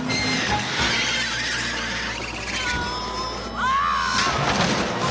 ああ。